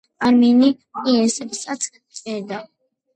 არნიმი პიესებსაც წერდა.